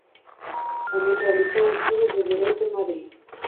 Tamén realizou estudos de Dereito en Madrid.